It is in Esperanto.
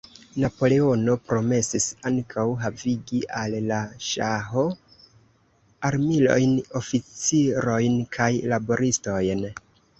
Napoleono promesis ankaŭ havigi al la Ŝaho armilojn, oficirojn kaj laboristojn.